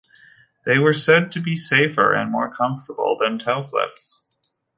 They were said to be safer and more comfortable than toe-clips.